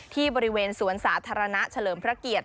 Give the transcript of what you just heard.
ที่บริเวณสวนสาธารณะเฉลิมพระเกียรติ